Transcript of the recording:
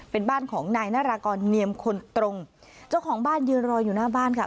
เป็นบ้านของนายนารากรเนียมคนตรงเจ้าของบ้านยืนรออยู่หน้าบ้านค่ะ